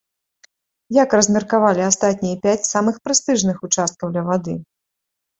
Як размеркавалі астатнія пяць самых прэстыжных участкаў ля вады?